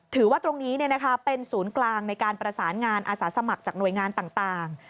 ถือว่าตรงนี้เป็นศูนย์กลางในการประสานงานอาสาสมัครจากหน่วยงานต่าง